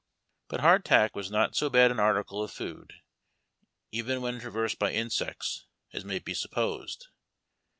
But hardtack was not so bad an article of food, even when traversed by insects, as may be supposed.